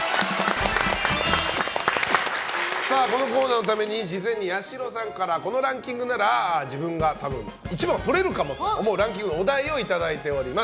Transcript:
このコーナーのために事前に八代さんからこのランキングなら自分が多分１番とれるかもと思うランキングのお題をいただいております。